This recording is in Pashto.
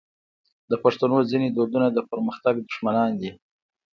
د پښتنو ځینې دودونه د پرمختګ دښمنان دي.